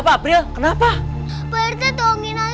berarti april tahu tempatnya